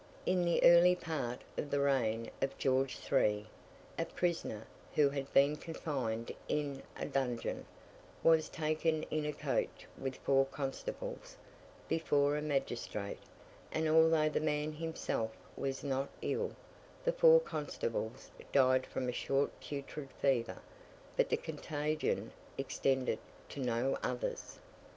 In the early part of the reign of George III., a prisoner who had been confined in a dungeon, was taken in a coach with four constables before a magistrate; and although the man himself was not ill, the four constables died from a short putrid fever; but the contagion extended to no others.